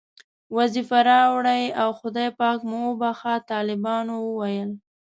وظیفه راوړئ او خدای پاک مو وبښه، طالبانو وویل.